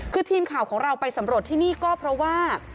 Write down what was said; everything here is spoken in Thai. คือทีมข่าวของเราไปสำรวจที่นี่ก็เพราะว่า